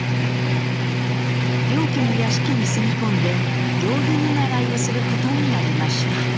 良家の屋敷に住み込んで行儀見習をすることになりました。